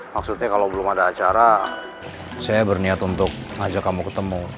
maksudnya kalau belum ada acara saya berniat untuk ngajak kamu ketemu